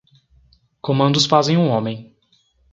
Comandos fazem um homem.